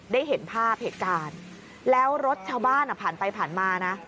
ได้เห็นภาพเหตุการณ์แล้วรถชาวบ้านอ่ะผ่านไปผ่านมานะ